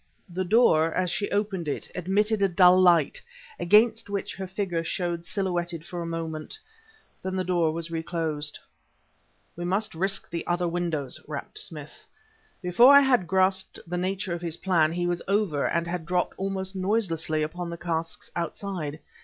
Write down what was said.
The door, as she opened it, admitted a dull light, against which her figure showed silhouetted for a moment. Then the door was reclosed. "We must risk the other windows," rapped Smith. Before I had grasped the nature of his plan he was over and had dropped almost noiselessly upon the casks outside.